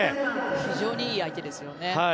非常にいい相手ですよね。